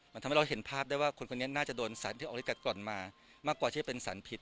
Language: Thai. มันทำให้เราเห็นภาพได้ว่าคนคนนี้น่าจะโดนสารที่ออกลิกัดก่อนมามากกว่าที่จะเป็นสารผิด